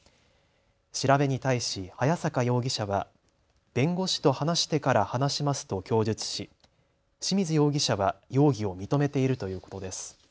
調べに対し早坂容疑者は弁護士と話してから話しますと供述し、清水容疑者は容疑を認めているということです。